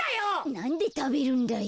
なんでたべるんだよ。